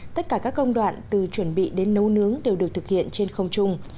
tất cả các công đoạn từ chuẩn bị đến nấu nướng đều được thực hiện trên không chung